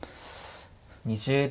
２０秒。